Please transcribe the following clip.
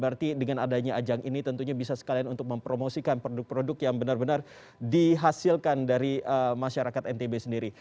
berarti dengan adanya ajang ini tentunya bisa sekalian untuk mempromosikan produk produk yang benar benar dihasilkan dari masyarakat ntb sendiri